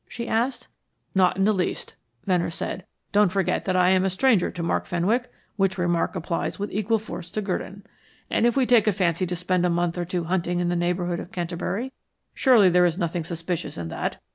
she asked. "Not in the least," Venner said. "Don't forget that I am a stranger to Mark Fenwick, which remark applies with equal force to Gurdon. And if we take a fancy to spend a month or two hunting in the neighborhood of Canterbury, surely there is nothing suspicious in that.